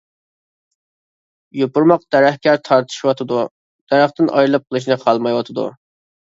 يوپۇرماق دەرەخكە تارتىشىۋاتىدۇ، دەرەختىن ئايرىلىپ قېلىشنى خالىمايۋاتىدۇ.